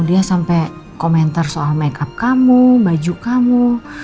dia sampai komentar soal makeup kamu baju kamu